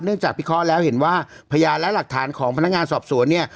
จากพิเคราะห์แล้วเห็นว่าพยานและหลักฐานของพนักงานสอบสวนเนี่ย